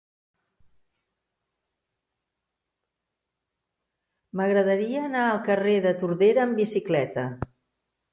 M'agradaria anar al carrer de Tordera amb bicicleta.